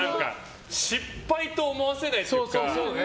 失敗と思わせないというか。